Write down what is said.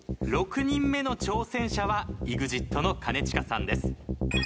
６人目の挑戦者はＥＸＩＴの兼近さんです。